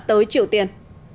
tới triều tiên